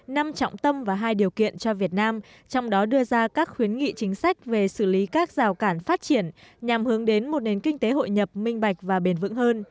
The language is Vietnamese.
năm trọng tâm và hai điều kiện cho việt nam trong đó đưa ra các khuyến nghị chính sách về xử lý các rào cản phát triển nhằm hướng đến một nền kinh tế hội nhập minh bạch và bền vững hơn